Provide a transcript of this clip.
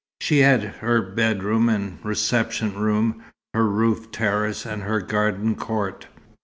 She had her bedroom and reception room, her roof terrace, and her garden court.